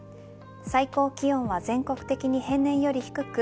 最高気温は全国的に平年より低く